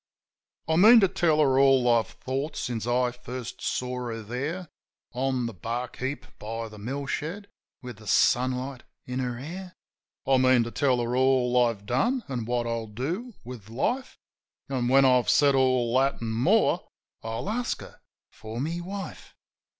I mean to tell her all I've thought since first I saw her there. On the bark heap by the mill shed, with the sunlight in her hair. I mean*to tell her all I've done an' what I'll do with life; An', when I've said all that an' more, I'll ask her for my wife.